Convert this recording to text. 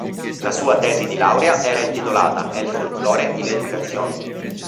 La sua tesi di laurea era intitolata: "El folklore y la Educación".